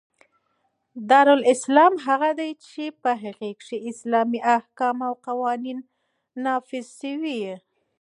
دارالاسلام هغه دئ، چي په هغي کښي اسلامي احکام او قوانینو نافظ سوي يي.